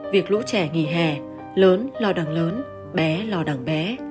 việc lũ trẻ nghỉ hè lớn lo đằng lớn bé lo đằng bé